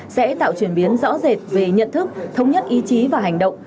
sẽ tạo chuyển biến rõ rệt về nhận thức thống nhất ý chí và hành động